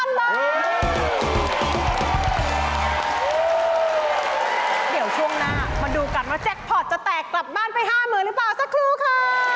เดี๋ยวช่วงหน้ามาดูกันว่าแจ็คพอร์ตจะแตกกลับบ้านไป๕๐๐๐หรือเปล่าสักครู่ค่ะ